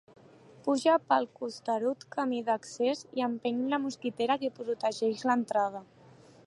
Puja pel costerut camí d'accés i empeny la mosquitera que protegeix l'entrada.